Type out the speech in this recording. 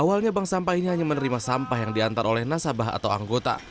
awalnya bank sampah ini hanya menerima sampah yang diantar oleh nasabah atau anggota